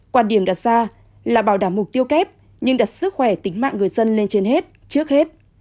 quan điểm đặt ra là bảo đảm mục tiêu kép nhưng đặt sức khỏe tính mạng người dân lên trên hết trước hết